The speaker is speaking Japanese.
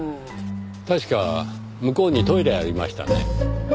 確か向こうにトイレありましたね。